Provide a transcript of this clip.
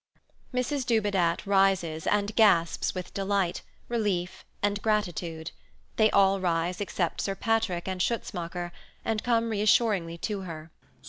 Mrs Dubedat rises and gasps with delight, relief, and gratitude. They all rise except Sir Patrick and Schutzmacher, and come reassuringly to her.